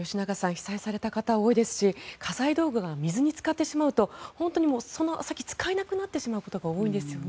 被災された方、多いですし家財道具が水につかってしまうとその先使えなくなってしまうことが多いんですよね。